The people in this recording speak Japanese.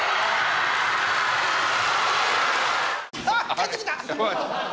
帰ってきた。